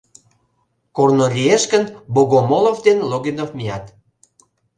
Корно лиеш гын, Богомолов ден Логинов мият.